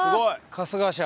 春日社。